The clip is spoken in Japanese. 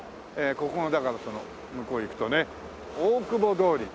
ここがだから向こう行くとね大久保通り。